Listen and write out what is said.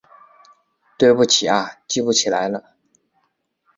对不起啊记不起来了